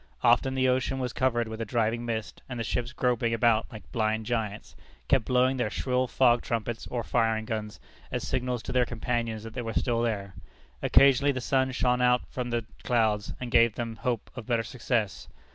Often the ocean was covered with a driving mist, and the ships, groping about like blind giants, kept blowing their shrill fog trumpets, or firing guns, as signals to their companions that they were still there. Occasionally the sun shone out from the clouds, and gave them hope of better success.